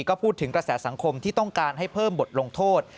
ก็พูดถึงกระแสสังคมที่ต้องการให้เพิ่มบทลงโทษ